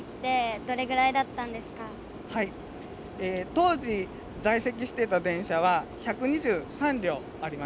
当時在籍していた電車は１２３両ありました。